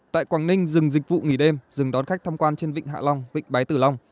tại quảng ninh dừng dịch vụ nghỉ đêm dừng đón khách tham quan trên vịnh hạ long vịnh bái tử long